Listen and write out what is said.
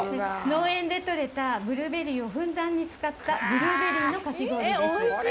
農園で取れたブルーベリーをふんだんに使ったブルーベリーのかき氷です。